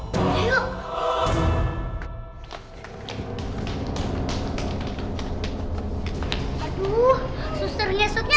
kok cabut banget nyesotnya